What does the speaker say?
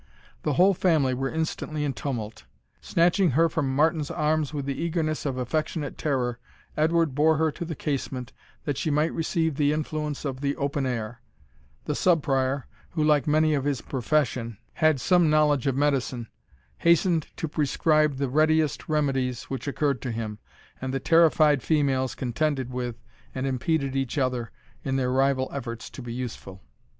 The whole family were instantly in tumult. Snatching her from Martin's arms with the eagerness of affectionate terror, Edward bore her to the casement, that she might receive the influence of the open air; the Sub Prior, who, like many of his profession, had some knowledge of medicine, hastened to prescribe the readiest remedies which occurred to him, and the terrified females contended with, and impeded each other, in their rival efforts to be useful.